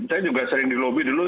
saya juga sering di lobi dulu